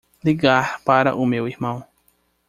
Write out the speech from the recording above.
Ligar para o meu irmão.